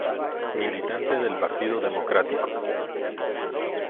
Militante del Partido Democrático.